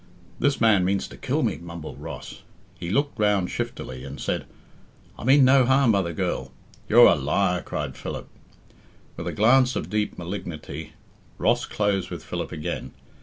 "This man means to kill me," mumbled Ross. He looked round shiftily, and said, "I mean no harm by the girl." "You're a liar!" cried Philip. With a glance of deep malignity, Ross closed with Philip again.